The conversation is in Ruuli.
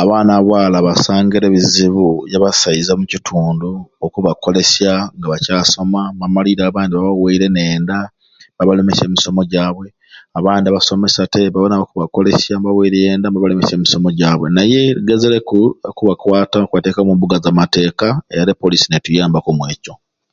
Abaana ba bwala basangire ebizibu by'abasaiza omu kitundu okubakolesya nga bacaasoma ni bamaliirya nga n'abandi babawaire n'enda ni babalemesya emisomo gyabwe abandi abasomesa te boona bakubakolesya ni babaweerya enda ni babalemesya emisomo gyabwe naye tugezereku okubakwata okubateeka omu mbuga z'amateeka era n'epoliisi n'etuyambaku omwekyo.